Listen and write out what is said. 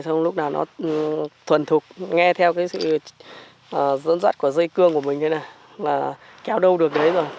xong lúc nào nó thuần thục nghe theo cái sự dẫn dắt của dây cương của mình ấy là kéo đâu được đấy rồi